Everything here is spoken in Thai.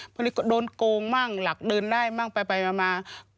พอดีกว่าโดนโกงบ้างหลักเดินได้บ้างไปมา